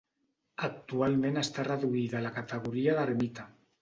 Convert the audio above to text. Actualment està reduïda a la categoria d'ermita.